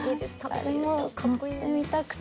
あれも乗ってみたくて。